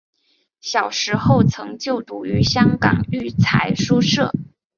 小时候曾就读于香港育才书社。